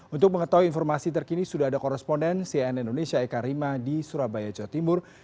untuk mengetahui informasi terkini sudah ada koresponden cnn indonesia eka rima di surabaya jawa timur